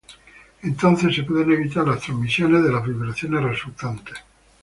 Entonces se pueden evitar las transmisión de las vibraciones resultantes.